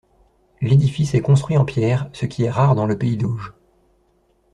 L'édifice est construit en pierres ce qui est rare dans le pays d'Auge.